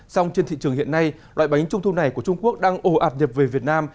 xong trên thị trường hiện nay loại bánh trung thu này của trung quốc đang ồ ạt nhập về việt nam